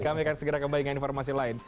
kami akan segera kembali dengan informasi lain